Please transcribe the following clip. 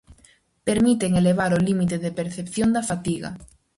Permiten elevar o límite de percepción da fatiga.